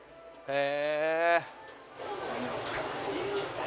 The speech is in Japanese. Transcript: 「へえ！」